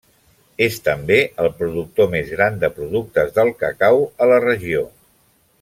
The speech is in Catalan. És també el productor més gran de productes del cacau a la regió.